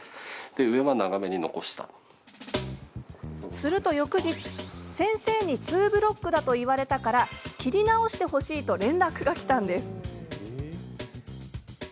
すると翌日、先生にツーブロックだと言われたから切り直してほしいと連絡がきたんです。